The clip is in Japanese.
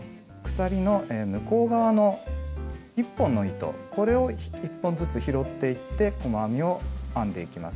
鎖の向こう側の１本の糸これを１本ずつ拾っていって細編みを編んでいきます。